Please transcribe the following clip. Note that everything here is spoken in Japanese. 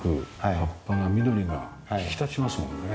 葉っぱが緑が引き立ちますもんね。